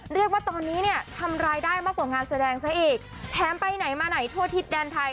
เรียกว่าตอนนี้เนี่ยทำรายได้มากกว่างานแสดงซะอีกแถมไปไหนมาไหนทั่วทิศแดนไทย